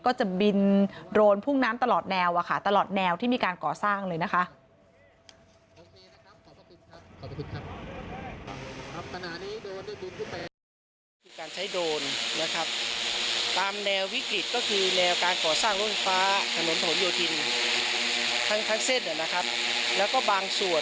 ก็จะบินโดรนพุ่งน้ำตลอดแนวตลอดแนวที่มีการก่อสร้างเลยนะคะ